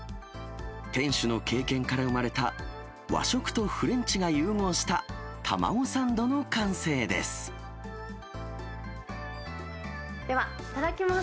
店主の経験から生まれた、和食とフレンチが融合した卵サンドの完成です。